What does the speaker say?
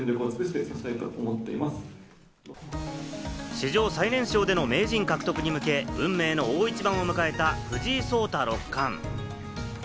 史上最年少での名人獲得に向け、運命の大一番を迎えた藤井聡太六冠。